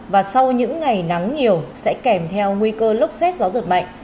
và sau những ngày nắng nhiều sẽ kèm theo nguy cơ lốc xét gió giật mạnh